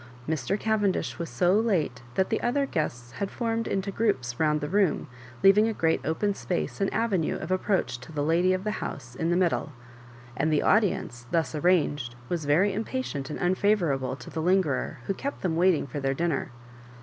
Mr. Cavendish was so late that the other guests had formed into groups round the room, leaving a great open space and avenue of approach to the lady of the house in* the middle; and the audience, thus arranged, was very impatient and unfavourabie to the lin gerer who kept them waiting for their dinner.